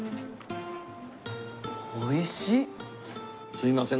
すいません